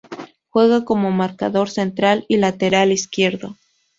Juega como marcador central o lateral izquierdo.